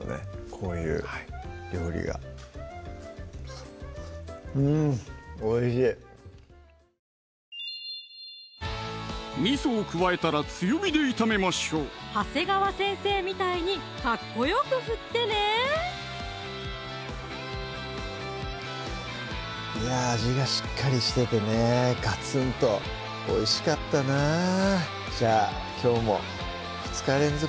こういう料理がうんおいしいみそを加えたら強火で炒めましょう長谷川先生みたいにかっこよく振ってねいや味がしっかりしててねガツンとおいしかったなじゃあきょうも２日連続